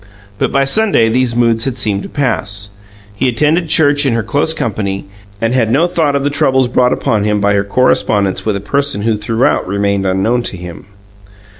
But by Sunday these moods had seemed to pass; he attended church in her close company, and had no thought of the troubles brought upon him by her correspondence with a person who throughout remained unknown to him.